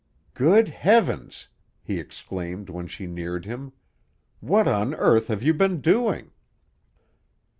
"Good Heavens!" he exclaimed when she neared him. "What on earth have you been doing?"